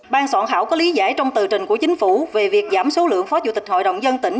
ban soạn thảo có lý giải trong tờ trình của chính phủ về việc giảm số lượng phó chủ tịch hội đồng dân tỉnh